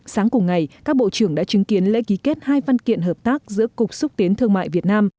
sáng cùng ngày các bộ trưởng đã chứng kiến lễ ký kết hai văn kiện hợp tác giữa cục xúc tiến thương mại việt nam